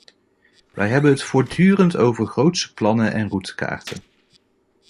Wij hebben het voortdurend over grootse plannen en routekaarten.